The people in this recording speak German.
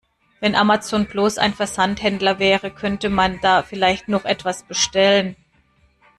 Wenn Amazon bloß ein Versandhändler wäre, könnte man da vielleicht noch etwas bestellen.